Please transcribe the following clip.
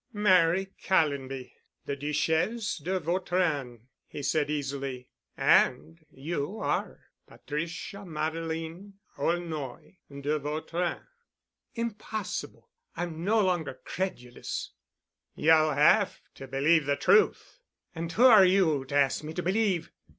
"Mary Callonby—the Duchesse de Vautrin," he said easily. "And you are Patricia Madeline Aulnoy de Vautrin." "Impossible. I'm no longer credulous." "You'll have to believe the truth!" "And who are you to ask me to believe?